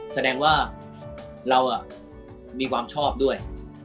แสดงว่าเรามีความชอบด้วย